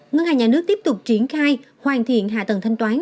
ngân hàng nhà nước tiếp tục triển khai hoàn thiện hạ tầng thanh toán